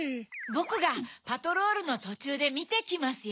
ボクがパトロールのとちゅうでみてきますよ。